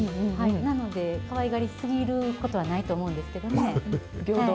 なので、かわいがり過ぎることはないと思うんですけどね。